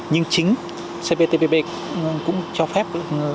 nhưng chính cptpp cũng cho phép